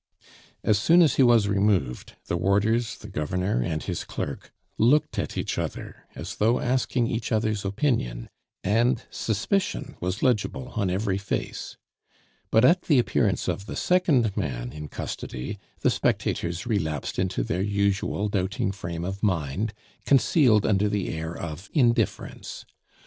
As soon as he was removed, the warders, the Governor, and his clerk looked at each other as though asking each other's opinion, and suspicion was legible on every face; but at the appearance of the second man in custody the spectators relapsed into their usual doubting frame of mind, concealed under the air of indifference.